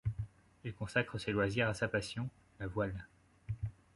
Il consacre ses loisirs à sa passion, la voile.